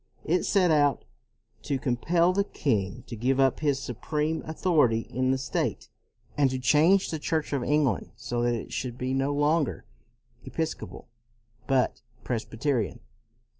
It set out to compel the king to give up his supreme CROMWELL 243 authority in the state, and to change the Church of England so that it should be no longer Episcopal but Presbyterian.